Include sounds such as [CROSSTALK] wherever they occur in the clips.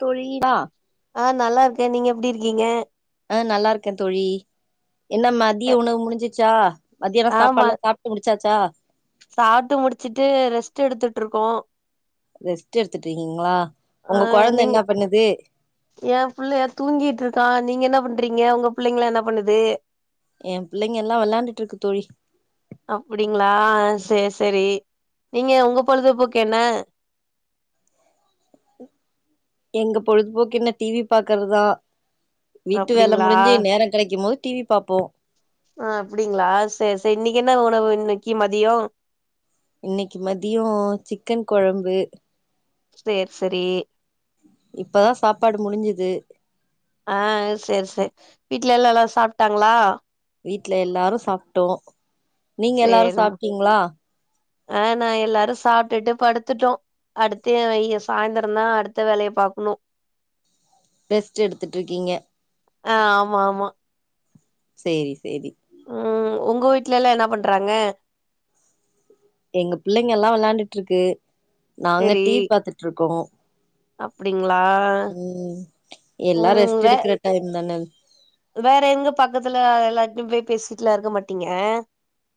தோழி [INAUDIBLE] ஆநல்லா இருக்கே நீங்க எப்டி இருக்கீங்க ஆ நல்லா இருக்கே தோழி என்ன மதிய உணவு முடிஞ்சிச்சா மதியான ஆமா சாப்பாடுலா சா முடிச்சாச்சா சாப்ட்டு முடிச்சிட்டு ரெஸ்ட் எடுத்துட்டு இருக்கோ ரெஸ்ட் எடுத்துட்டு இருக்கீங்களா ஒங்க கொழந்தை என்ன பண்ணுது என் பிள்ளையா தூங்கிட்டு இருக்கா நீங்க என்ன பண்றீங்க உங்க பிள்ளைங்கள என்ன பண்ணுது எ பிள்ளைங்க எல்லா வெளையாண்டுட்டு இருக்கு தோழி அப்டிங்களா செரி செரி நீங்க உங்க பொழுதுபோக்கு என்ன எங்க பொழுதுபோக்கு என்ன டிவி பாக்கறதுதா வீட்டு வேல அப்டிங்களா முடிஞ்சு நேர கெடைக்கும் போது டிவி பாப்போ ஆ அப்டிங்களா சரி சரி இன்னைக்கு என்ன உணவு இன்னைக்கு மதியோ இன்னைக்கு மதியோ சிக்கன் கொழம்பு சேர் செரி இப்பதா சாப்பாடு முடிஞ்சுது ஆ செரி செரி வீட்ல எல்லா ல்லா சாப்ட்டாங்களா வீட்ல எல்லாரு சாப்புட்டோ நீங்க எல்லாரு சேரிம்மா சாப்ட்டீங்களா ஆ நா எல்லாரு சாப்ட்டுட்டு படுத்துட்டோ அடுத்து [UNINTELLIGIBLE] சாய்ந்தரந்தா அடுத்த வேலைய பாக்கணு ரெஸ்ட் எடுத்துட்டு இருக்கீங்க ஆ ஆமா ஆமா சேரி சேரி ம் உங்க வீட்லல்லா என்ன பண்றாங்க எங்க பிள்ளைங்க எல்லா வெளயாண்டுட்டு இருக்கு நாங்க சரி டிவி பாத்துட்டுருக்கோ அப்டிங்களா ம் எல்லா ம் ரெஸ்ட் வே எடுக்கற டைம் தான வேற எங்க பக்கத்துல எல்லாருட்டயும் போய் பேசிட்டுலா இருக்க மாட்டீங்க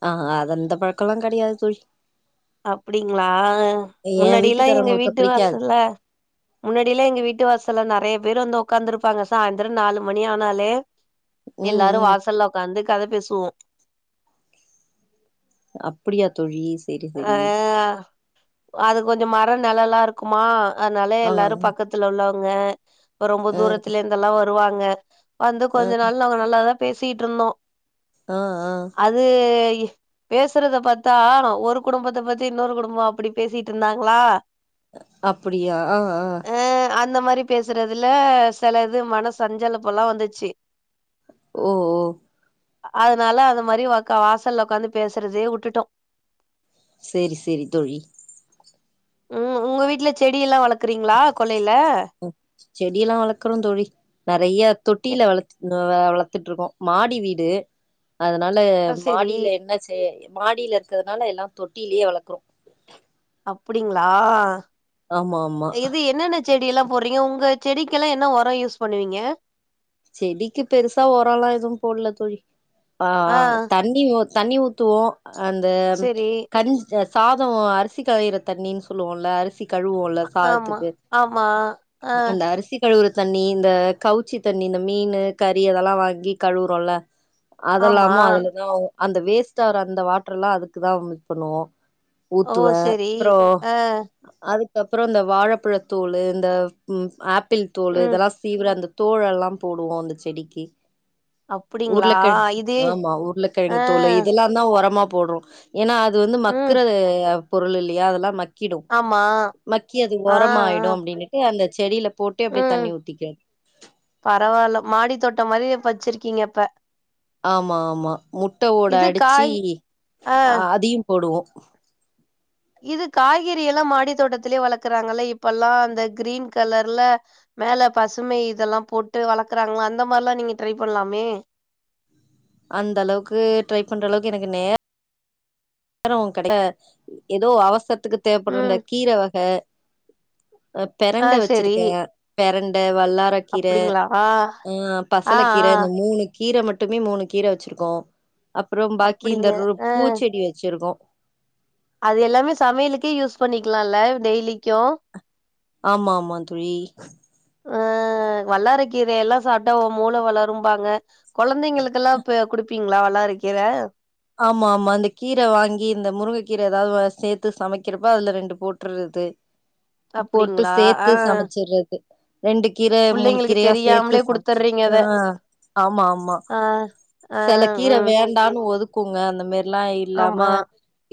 ஆஹ அ அதஅந்த பழக்கெல்லா கெடையாது தோழி அப்டிங்களா ஏ முன்னாடியல்லா எங்க வீட்டுக்காரவங்களுக்கு வீட்டு பிடிக்காது வாசல்ல முன்னாடியில எங்க வீட்டு வாசல நேறய பேர் வந்து உட்காந்துருப்பாங்க சாயந்திர நாலு மணி ஆனாலே ம் எல்லாரு ம் வாசல்ல உடக்காந்து கதை பேசுவோ அப்படியா தோழி செரி செரி அஹ் அது கொஞ்சோ மரம் நிலல்லா இருக்குமா அதனால ஆ எல்லாரு பக்கத்து [UNINTELLIGIBLE] உள்ளவங்க ரொம்ப ஆ தூரத்துல இருந்துெல்லா வருவாங்க வந்து ஆ கொஞ்சோ நாள் அவங்க நல்லாதா பேசிட்டு இருந்தோ ஆ ஆ அது பேசுறத பத்தா ஒரு குடும்பத்த பத்தி இன்னொரு குடும்ப அப்படி பேசிட்டு இருந்தாங்களா அப்படியா ஆ ஆ ஆ அந்த மாதிரி பேசுறதுல சில இது மன சஞ்சலப்பெல்லா வந்துச்சு ஓ ஓ அதனால அந்த மாரி வாசல்ல உடக்காந்து பேசுறதே விட்டுட்டோ சேரி சேரி தோழி ம் உங்க வீட்டுல செடி எல்லா வளர்க்கறீங்களா கொல்லையில ம் செடிய எல்லா வளக்கரரோ தோழி நெறைய தொட்டியில வள வளர்த்துட்டு இருக்கோ மாடி வீடு அதனால அ செரி மாடியில என்ன செய் மாடியில இருக்கிறதுனால எல்லா தொட்டிலேயே வளர்க்கறோ அப்டிங்களா ஆமா ஆமா இது என்னன்ன செடி எல்லா போடுறீங்க உங்க செடிக்கெல்லா என்ன உரம் யூஸ் பண்ணுவீங்க செடிக்கு பெருசா உர ஏதுவு போடல தோழி ஆ ஆஹ் தன் தண்ணி ஊத்துவோ அந்த செரி கன் சாதம் அரிசி காயிற தண்ணின்னு சொல்லுவோம்ல அரிசி கழுவோம்ல ஆமா சாதத்துக்கு ஆமா ஆ அந்த அரிசி கழுவுறு தண்ணி இந்த கவுச்சி தண்ணி இந்த மீன் கறி அதெல்லா வாங்கி கழுவுறோம்ல ஆமா அதெல்லாமு அதுலதா அந்த வேஸ்ட் வற அந்த வாட்டர் எல்லா அதுக்குதா பண்ணுவோ ஓ ஊத்துவே செரி அப்பற ஆ அதுக்கப்புற இந்த வாழைப்பழத்தோள் இந்த ஆப்பிள் தோள் ம் இதெல்லா சீவிர அந்த தோ தோழெல்லா போடுவோ அந்த செடிக்கு அப்டிங்களா ஊருலக்கிழ இது ஆமா ஆ ஊருலக்கிழ இதெலன தான உரமா போடுற ஏன்னா அது வந்து ம் மக்கற பொருள் இல்லையா அதெல்லா மக்கி மக்கிடு ஆமா மக்கி அது ஆ ஆ உரமாயிடு அப்டின்னுட்டு அந்த செடியில போட்டே அப்டியே தண்ணி ஊத்திக்க பரவாயில்ல மாடி தோட்ட மாரி வச்சிருக்கீங்கப்ப ஆமா ஆமா முட்டை ஓட இது காய் அடிச்சுஹ ஆ அதையு போடுவோ இது காய்கறி எல்லா மாடி தோட்டத்திலயே வளர்க்குறாங்கல்ல இப்ப எல்லா அந்த கிரீன் கலர்ல மேல பசுமை இதெல்லா போட்டு வளர்க்குறாங்கள அந்த மாரில்லா நீங்க ட்ரை பண்ணலாமே அந்த அளவுக்கு ட்ரை பண்ற அளவுக்கு எனக்கு நேர நேர கிடைய ஏதோ அவசத்துக்கு தேவைப்படுருந்த ம் கீரை வகை ஆ பெரண்ட செரி வச்சிருக்கே பெரண்டை வல்லார கீரை அப்டிங்களா ஆ ஆஹ் ஆ பசல கீரை இந்தந்த மூணு கீரை மட்டுமே மூணு கீரை வச்சிருக்கோ அப்புறம் பாக்கி இந்த அப்டிங்க ஆ பூச்செடி வச்சிருக்கோ அது எல்லாமே சமயலுக்கே யூஸ் பண்ணிக்கலாம்ல்ல டெய்லிக்கு ஆமா ஆமா தோழி அஹ் வள்ளரக்கீரை எல்லா சாப்பட்ட மூளை வளருபாங்க கொழந்தைங்களுக்கெல்லா இ குடுப்பீங்களா வல்லார கிர ஆம்மாமா அந்த கீர வாங்கி இந்த முருங்க கீர ஏதாவ்து சேத்து சமைக்கிறப்ப அதுல ரெண்டு போட்டறது போட்டு அப்டிங்களா ஆ சேத்து சமைச்சறது ரெண்டு கீரை மூணு புள்ளைங்களுக்கு கீரையா சேத்து தெரியாமலே சமைச்சு குடுத்துர்றீங்க அத ஆஹ ஆமா ஆம்மா ஆ ஆ சில கீர ம் வேண்டான்னு ஒதுக் க்குங்க அந்த மேர்ல்லா இல்லாம ஆமா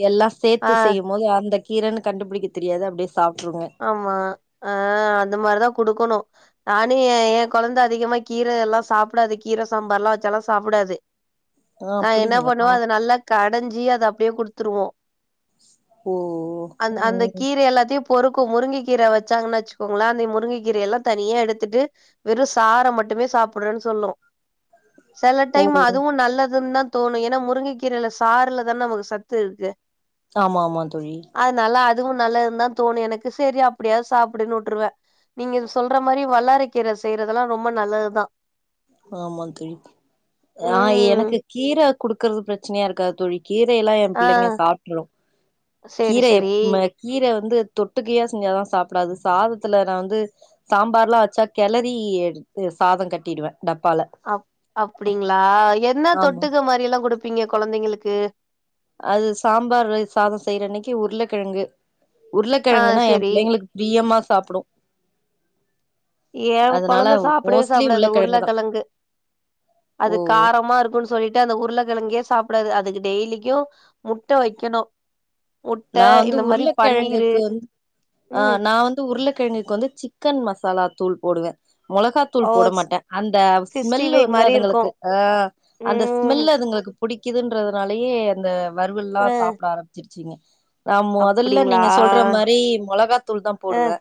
எல்லா ஆ சேத்து செய்யும் போது அந்த கீரைன்னு கண்டுபிடிக்க தெரியாது அப்டியே சப்ட்ருவோ ஆம்மா ஹ அந்த மார்தா குடுக்கணு நானு ஏ ஏ கொழந்த அதிகமா கீரல்லா சாப்டாது கீர சாம்பார் எல்லா வெச்சாலா சாப்டாது ஆ அ என்ன பண்வோ அப்டிங்களா அத நல்லா கடைஞ்சி அத அப்டியே குடுத்துருவோ ஓ அந்த் அந்த ம் கீர எல்லாத்தையு பொறுக்கு முருங்ககீர வெச்சாங்கன்னு வெச்சுக்கோங்ளே அந்த முருங்கக்கீரைய எல்லா தனியா எடுத்திட்டு வெறு சார மட்டுமே சாப்படறேனு சொல்லு சில ஓ டைம் அதுவு நல்லதுனு தா தோணு ஏனா முருங்கக்கீரைல சாருல தான நமக்கு சத்து இருக்கு ஆம்மாமா தோழி அதனால அதுவு நல்லதுனுதா தோணு எனக்கு சேரி அப்டியாவது சாப்பிடனு வுட்ருவே நீங்க இது சொல்ற மாரி வல்லாறைக்கீரை செய்றதெல்லா ரொம்ப நல்லதுதா ஆம்மா தோழி ஆ ம் எனக்கு கீர குடுக்கறது ப்ரச்சனையா இருக்காது தோழி கீரையெல்லா ஏ ஆ பிள்ளைங்க சாப்ட்ரு சேரி கீரை சேரி [UNINTELLIGIBLE] கீரை வந்து தொட்டுக்கையா செஞ்சாதா சாப்டாது சாதத்துல நா வந்து சாம்பார்ல்லா வேச்சா கெளரி எடுத் சாத கட்டிடுவே டப்பால அப் அப்டிங்களா என்ன ஆமா தொட்டுக்க மாரில்லா குடுப்பீங்க கொழந்தைங்ளுக்கு அது சாம்பார் சாத செய்ற அன்னைக்கு உருளைக்கெழங்கு ஆ உருளைக்கெழங்குனா ஏ சேரி புள்ளைங்களுக் பிரியம்மா சாப்டு ஏ அதனால கொழந்த சாப்பிடவே மோஸ்ட்லி சாப்டாது அந் உருளக்கெழங்குதா உருளைக்கெழங்கு ஓ அது காரமா இருக்குனு சொல்லிட் டு அந்த உருளைக்கெழங்கயே சாப்டாது அதுக்கு டெய்லிக்கு முட்ட வெக்கணு நா வந்து பன்னீரு உருளைக்கெழங்குக்கு ஆ ம் நா வந்து உருளைக்கெழங்குக்கு வந்து சிக்கன் மசாலா தூள் போடுவே மொளகாத்தூள் போட ஓட்ஸ் மாட்டே அந்த சிக்ஸ்டி ஸ்மெல்லு ஃபைவ் வந்து மாரி இருக்கு அதுங்களுக்கு ஆ அந்த ம் ஸ்மெல் அதுங்களுக்கு புடிக்குதுன்றதுனாலயே அந்த வறுவல்லா அ சாப்ட ஆரம்பிச்சிருச் நா மொதல்ல அப்டிங்களா நீங்க சொல்ற மாரி மொளகாத்தூள் தா அ போடுவே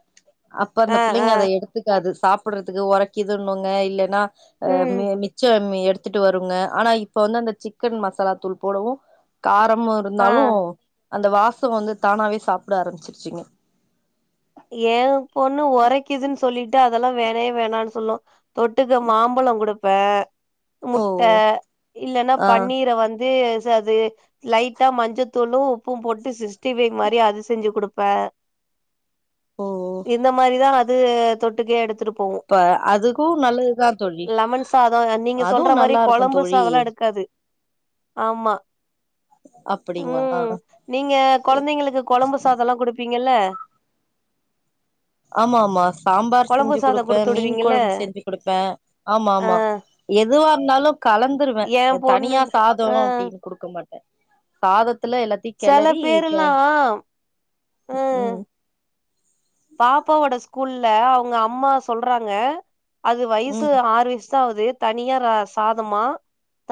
அப்ப அந்த அ அ பிள்ளைங்க அத எடு த்துக்காது சாப்பிடறதுக்கு உறக்கிதுண்ணுங்க இல்லைன்னா ம் மிச்சம்மே எடு வத்துட்டு வருங்க ஆனா இப்ப வந்து அந்த சிக்கன் மசாலா தூள் போடவு காரமு ஆ இருந்தாலு அந்த வாசவ் வந்து தானாவே சாப்ட ஆரம்பிச்சிருச்சிங் ஏ பொண்ணு உரைக்குதுனு சொல்லிட்டு அதெல்லா வேணவே வேணானு சொல்லூ தொட்டுக் மாம்பழோ குடுப்பே ஓ முட்ட இல்லைன்னா ஆ பன்னீரை வந்து அது லைட்டா மஞ்சத்தூளு உப்பூ போட்டு சிஸ்டிஃபைப் மாரி அது செஞ்சு குடுப்பே ஓ இந்த மாரிதா அது தொட்டுக்கே எடுத்துட்டு போகு இப்ப அதுக்கு நல்லதுதா தோழி லெமன் சாதோ நீங்க அதுவு சொல்ற மாரி நல்லா இருக்கு கொழம்பு தோழி சாதல்லா எடுக்காது ஆம்மா அப்டிங்களா நீங்க கொழந்தைங்களுக்கு கோழம்பு சாதல்லா குடுப்பீங்கல்ல ஆம்மாமா சாம்பார் கொழம்பு செஞ்சு சாதோ குடுப்பே குடுத்து மீன் விடுவீங்கல்ல கொழம்பு செஞ்சு குடுப்பே ஆமா ஆ ஆமா எதுவா இருந்தாலு கலந்து குடுத்துருவே ஏ இந்த பொண்ணு தனியா ஆ சாதம் அப்படின்னு குடுக்க மாட்டே சாதத்துல எல்லாத் தையு செல கெலரி க பேரெல்லா ம் பாப்பாவோட ஸ்கூல்ல அவுங்க அம்மா சொல்றாங்க அது வயசு ம் ஆறு வயசு சாவது தனியா சாதமா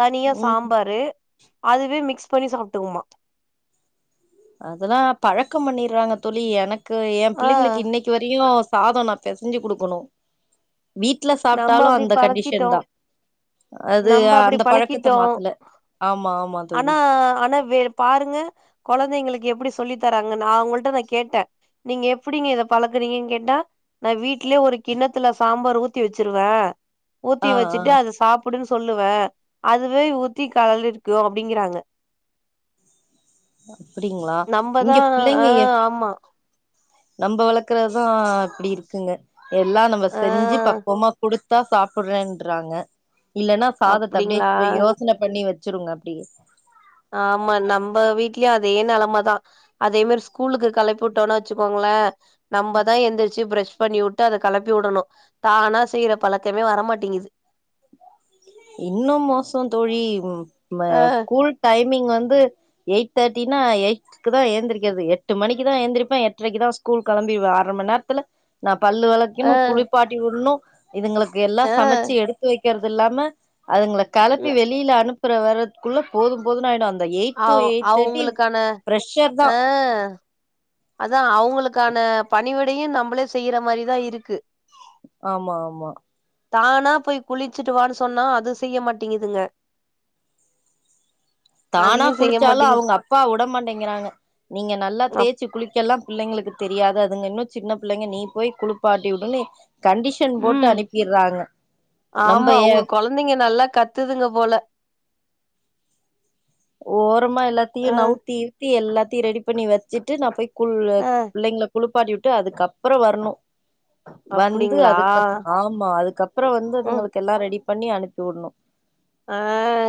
தனியா ம் சாம்பாரு அதுவே மிக்ஸ் பண்ணி சாப்ட்டுக்குமா அதெல்லா பழக்கம் பண்ணிடுறாங்க தோழி எனக்கு என் ஆ பிள்ளைங்களுக்கு இன்னைக்கி வரையு சாதம் நா பெசைஞ்சு குடுக்கணு வீட்ல நம்ம சாப்ட்டாலு அப்டி அந்த கண்டிஷன் பழக்கிட்டோ தா அது நம்ம அப்டி அந்த பழக்கத்த பழக்கிட்டோ மாத்தல ஆமா ஆமா ஆனா தோழி ஆனா வே பாருங்க குழந்தைங்களுக்கு எப்படி சொல்லி தராங்கன்னு அவங்கள்ட்ட நா கேட்டே நீங்க எப்படிங்க இத பழக்குறீங்கன்னு கேட்டா நா வீட்லயே ஒரு கிணத்துல சாம்பார் ஊத் ஊத்தி வெச்சிருவே ஊத்தி ஆ வெச்சுட்டு ஆ அதை சாப் அப்படின்னு சொல்லுவே அதுவே ஊத்தி கலல் இருக்கு அப்படிங்கறாங்க அப்டிங்களா நம்மதா இங்க பிள்ளைங்க ஆ எ ஆமா நம்ம வள்க்கறதான் இப்படி இருக்குங்க எல்லாம் நம்ம ஆ செஞ்சு பக்குவமா குடு த்தா சாப்பிடுறேன்றாங்க இல்லைன்னா சாதத்த அப்படியே அப்டிங்களா இப்ப யோ ச்சன பண்ணி வெச்சுருங்க அப்படியே ஆமா நம்ப வீட்லயு அதே நிலைமைதா அதே மாரி ஸ்கூலுக்கு களப்பி விட்டோனா வெச்சுக்கோங்களே நம்மதான் எந்திரிச்சு பிரரஷ் பண்ணி விட்டு அதை கிளப்பி விடணு தானா செய்யிற பழக்கமே வரமாட்டிங்குது இன்னு மோசோ தோழி ஆ ஸ்கூல் டைமிங் வந்து எயிட் தேர்ட்டினா எயிட் க்குதான் ஏந்திக்கிறது எட்டு மணிக்குதா ஏந்திரிப்பா எட்ரைக்கு தா ஸ்கூல் கெளம்பிருவா அரை மண் நேரத்துல நா பல்லு ஆ வளக்கணு குளிப்பாட்டி விடணு இதுங்களுக்கு ஆ எல்லாம் சமைச்சு எடுத்து வைக்கறது இல்லாம அதுங்களை களப்பி ம், வெளியில அனுப்புற வர்ரதுக்குள்ள போதும் போதும்னு ஆயிடும் அந்த எயிட் டு அவ் எயிட் தேர்டி அவங்களுக்கான பிரஷர் தா ஆ அதா அவுங்களுக்கான பணிவிடையு நம்மளே செய்யற மாதிரிதா இருக்கு ஆமா ஆமா தானா போய் குளிச்சுட்டுவான்னு சொன்னா அது செய்ய மாட்டிங்குதுங்க தானா அதையு செய்ய குளிச்சாலு மாட்டேங்குது அவுங்க அப்பா உட மாட்டேங்கிறாங்க நீங்க நல்லா அப் தேய்ச்சு குளிக்கல்லா பிள்ளைங்களுக்கு தெரியாது அதுங்க இன்னு சின்ன பிள்ளைங்க நீ போய் குளிப்பாட்டி உடுன்னு கண்டிஷன் போட்டு ம் அனுப்பிறாங்க நம்ப ஏ ந்தைங்க நல்லா கத்துதுங்க போல ஓரமா எல்லாத்தையு ஆ நவுத்தி எத்தி எல்லாத்தையு ரெடி பண்ணி வெச்சிட்டு நா போய் குள்ள ஆ பிள்ளைங்கள குளிப்பாட்டி விட்டு அதுக்குப்புற வரணு வந்து அப்டிங்களா அதுக்கப் ஆமா அதுக்கப்புற வந்து ம் அதுங்களுக்கு எல்லா ரெடி பண்ணி அனுப்பி விடணு ஆ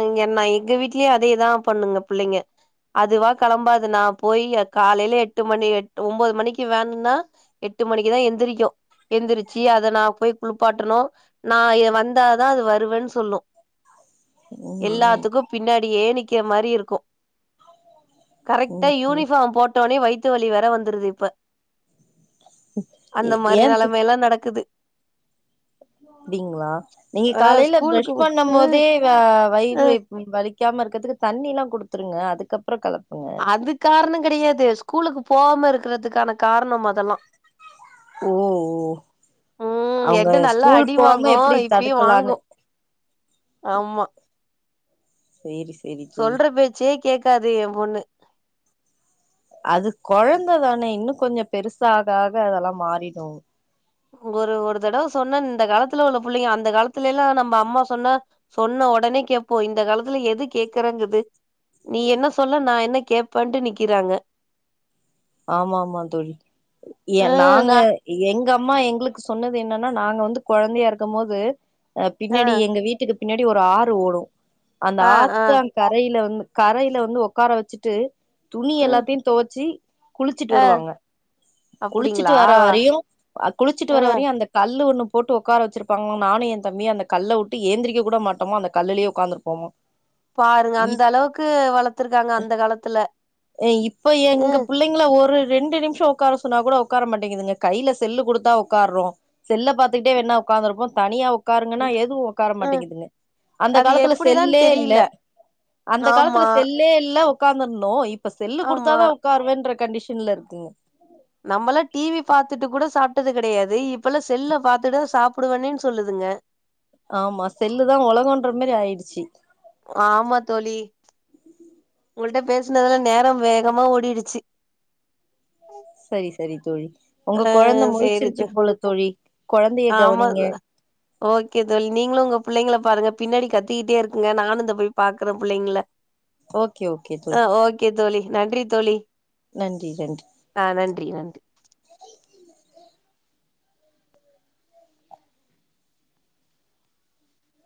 இங்க நா எங்க வீட்லயு அதேதா பண்ணுங்க பிள்ளைங்க அதுவா கெளம்பாது நா போய் காலையில எட்டு மணி ஒன்பது மணிக்கு வேனுன்னா எட்டு மணிக்குதா எந்திரிக்கு எந்திரிச்சு அதை நா போய் குளிப்பாட்டனு நா இ வந்தாதா அது வருவேன்னு சொல்லு ம் ம் எல்லாத்துக்கு பின்னாடியே நிக்கிற மாரி இருக்கு கரெக்ட்டா ம் ம் யூனிஃபார்ம் போட்டோனே வயித்து வலி வேற வந்துருது இப்ப ஏ அந்த மாரி ஏன் தி நிலைமை எல்லா நடக்குது அப்டிங்ளா நீங்க ஆ காலையில ப்ரஷ் பண்ணம் ஸ்கூலுக்கு போதே ஆ வயிறு வலி க்காம இருக்கறதுக்கு தண்ணில்லா குடுத்துருங்க அதுக்கப்புறொ கெளப்புங்க அது காரணங் கெடையாது ஸ்கூலுக்கு போவாம இருக்கிறதுக்கான காரணம் அததெல்லா ஓ ஓ ம் அவங்க என்ட்ட நல்லா ஸ்கூல் அடி போகாம வாங்கூ எப்டி இப்பயு வாங்கூ தடுக்கலான்னு ஆமா சேரி சேரி தோழி சொல்ற பேச்சே கேக்காது என் பொண்ணு அது கொழந்ததானே இன்னு கொஞ்ச பெருசா ஆக ஆக அதெல்லாம் மாறிடூ ஒரு ஒரு தடவ சொன்ன இந்த காலத்துல உள்ள புள்ளைங்க அந்த காலத்துல எல்லா நம்ப அம்மா சொன்னா சொன்ன ஒடனே கேப்போ இந்த காலத்துல எது கேக்குறங்குது நீ என்ன சொல்ல நா என்ன கேப்பன்ட்டு நிக்கிறாங்க ஆமா ஆமா தோழி ஏ ஆ நாங்க நா எங்க அம்மா எங்குளுக்கு சொன்னது என்னன்னா நாங்க வந்து கொழந்தையா இருக்கம் போது அ ஆ பின்னேடி எங்க வீட்டுக்கு பின்னாடி ஒரு ஆறு ஓடு அந்த ஆ ஆ ஆத்தங் கரையில வந்து கரையில வந்து உக்கார வச்சுட்டு துணி ம் எல்லாத்தையு தொவச்சி குளிச்சுட்டு ஆ வருவாங்க குளிச்சுட்டு அப்டிங்களா வர வரையு குளிச்சிட்டு வர ம் வரையு அந்த கல்லு ஒண்ணு போட்டு ஓக்கார வெச்சிருப்பாங்க நானு என் தம்பியு அந்த கல்ல வுட்டு ஏந்திரிக்க கூட மாட்டோமோ அந்த கல்லுலேயே உக்காந்துருப்போமா பாருங்க ஈ அந்த அளவுக்கு வளத்துருக்காங்க அந்த காலத்துல இப்ப எங்க ம் புள்ளைங் ங்கள ஒரு ரெண்டு நிம்ஷொ உக்கார சொன்னா கூட உக்கார மாட்டேங்குதுங்க கையில செல்லு குடுத்தா உக்கார்றோ செல்ல பாத்துக்கிட்டே வேன்னா உக்காந்துருப்போ தனியா உக் உக்காருங்கன்னா எதுவு உக்கார ம் மாட்டேங்கிதுங்க அந்த அது காலத்துல எப்டிதான் செல்லே இல்ல தெரில அந்த காலத்துல ஆமா செல்லே இல்ல உக்கார்ந்துரணு இப்ப செல்லு ஆமா குடுத்தாதா உக்காருவேன்ற கண்டிஷன்ல இருக்குங்க நம்பளா டிவி பாத்துட்டு கூட சாப்ட்டது கெடையாது இப்பல்லா செல்ல பாத்துட்டுதா சாப்டுவேன்னேன்னு சொல்லுதுங்க ஆமா செல்லு தா ஒலகோன்றமாரி ஆயிடுச்சி ஆமா தோழி உங்கள்ட்ட பேசுனதுல நேரொ வேகமா ஓடிடுச்சி சரி சரி தோழி உங்க ஆ கொழந்தை சேரி த முழிச்சிருச்சு போல தோழி கொழந்தைய ஆமா கவனிங்க [UNINTELLIGIBLE] ஓகே தோழி நீங்களு உங்க புள்ளைங்கள பாருங்க பின்னாடி கத்துக்கிட்டே இருக்குங்க நானு இந்த போய் பாக்குறே புள்ளைங்கள ஓகே ஓகே தோழி ஆ ஓகே தோழி நன்றி தோழி நன்றி நன்றி ஆ நன்றி நன்றி